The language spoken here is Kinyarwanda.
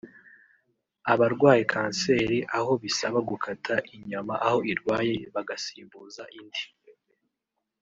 abarwaye ‘cancer’ aho bisaba gukata inyama aho irwaye bagasimbuza indi